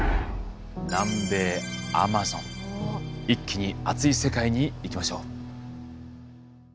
一気に暑い世界に行きましょう。